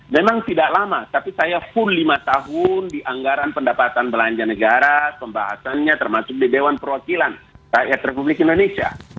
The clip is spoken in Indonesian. memang tidak lama tapi saya full lima tahun di anggaran pendapatan belanja negara pembahasannya termasuk di dewan perwakilan rakyat republik indonesia